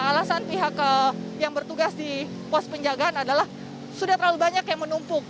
alasan pihak yang bertugas di pos penjagaan adalah sudah terlalu banyak yang menumpuk